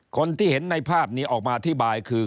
คนที่เห็นในภาพนี้ออกมาอธิบายคือ